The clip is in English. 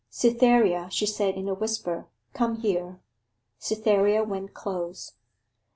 'Cytherea,' she said in a whisper, 'come here.' Cytherea went close.